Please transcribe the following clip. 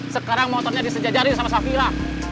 sekarang motornya disejajarin sama safila